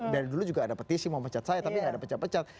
dari dulu juga ada petisi mau pecat saya tapi nggak ada pecat pecat